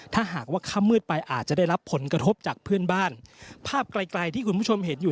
ถ้าหากว่าค่ำมืดไปอาจจะได้รับผลกระทบจากเพื่อนบ้านภาพไกลไกลที่คุณผู้ชมเห็นอยู่